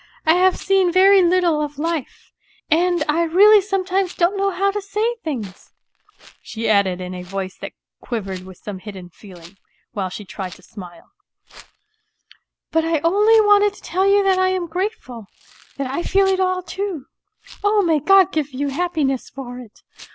I have seen very little of life, and I really sometimes don't know how to say things," she added in a voice that quivered with some hidden feeling, while she tried to smile ;" but I only wanted to tell you that I am grateful, that I feel it all too ... Oh, may God give you happiness for it